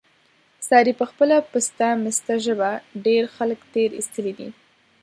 سارې په خپله پسته مسته ژبه، ډېر خلک تېر ایستلي دي.